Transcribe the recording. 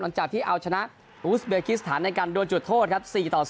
หลังจากที่เอาชนะอูสเบกิสถานในการโดนจุดโทษครับ๔ต่อ๐